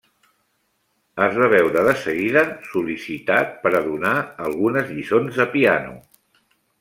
Es va veure de seguida sol·licitat per a donar algunes lliçons de piano.